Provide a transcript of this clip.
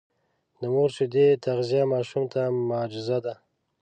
د مور د شیدو تغذیه ماشوم ته معجزه ده.